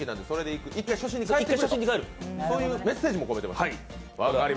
そういうメッセージも込めている。